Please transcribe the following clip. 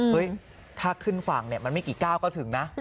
ถ้าขึ้นฝั่งมันไม่กี่ก้าวก็ถึงนะ